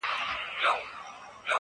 بریا کومه تصادفی پیښه نه ده